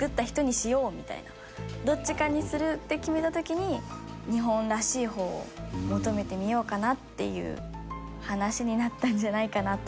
どっちかにするって決めた時に日本らしい方を求めてみようかなっていう話になったんじゃないかなと思います。